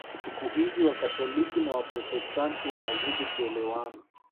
Siku hizi Wakatoliki na Waprotestanti wanazidi kuelewana